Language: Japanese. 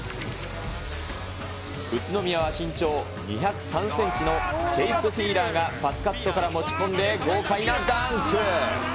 宇都宮は、身長２０３センチのチェイス・フィーラーがパスカットから持ち込んで、豪快なダンク。